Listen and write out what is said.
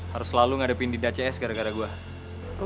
harus selalu ngadepin dinda cs gara gara gue